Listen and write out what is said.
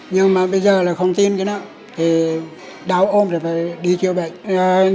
nhưng mà bây giờ là không tin cái nào thì đau ôm thì phải đi chữa bệnh